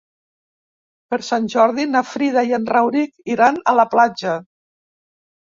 Per Sant Jordi na Frida i en Rauric iran a la platja.